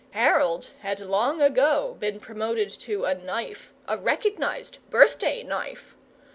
Harold had long ago been promoted to a knife a recognized, birthday knife.